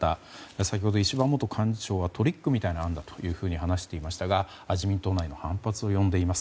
先ほど石破元幹事長はトリックみたいな案だと話していましたが自民党内の反発を呼んでいます。